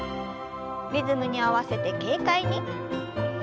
リズムに合わせて軽快に。